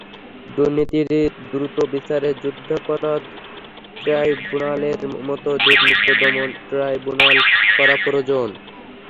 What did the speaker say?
দুর্নীতির দ্রুত বিচারে যুদ্ধাপরাধ ট্রাইব্যুনালের মতো দুর্নীতি দমন ট্রাইব্যুনাল করা প্রয়োজন।